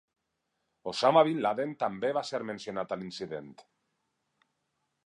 Osama Bin Laden també va ser mencionat a l'incident.